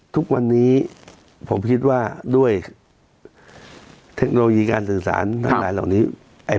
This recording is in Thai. ทุกวันนี้ผมคิดว่าด้วยเทคโนโลยีการสื่อสารทั้งหลายเหล่านี้